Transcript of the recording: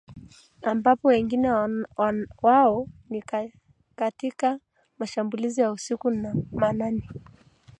ambapo wengi wao ni katika mashambulizi ya usiku wa manane